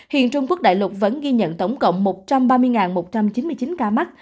hiện trung quốc đại lục vẫn ghi nhận tổng cộng một trăm ba mươi một trăm chín mươi chín ca mắc